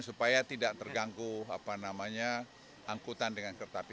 supaya tidak terganggu angkutan dengan kertapi